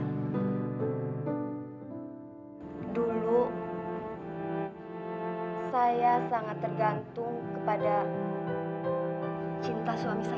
dulu saya sangat tergantung kepada cinta suami saya